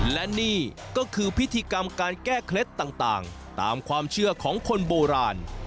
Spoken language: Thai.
และนี่ก็คือพิธีกรรมการแก้เคล็ดต่างตามความเชื่อของคนโบราณ